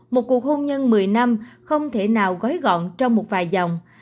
một cuộc hôn nhân một mươi năm không thể nào gói gọn trong một vài dòng